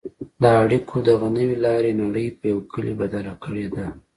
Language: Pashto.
د اړیکو دغې نوې لارې نړۍ په یوه کلي بدله کړې ده.